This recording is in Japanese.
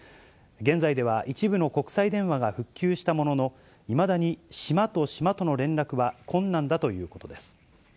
現在では、一部の国際電話が復旧したものの、いまだに島と島との連絡は困難だということです。